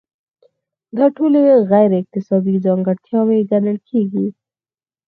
دا ټولې غیر اکتسابي ځانګړتیاوې ګڼل کیږي.